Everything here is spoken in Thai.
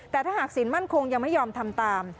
แต่ถ้าหากศีลมั่นคงยังไม่ยอมทำตาม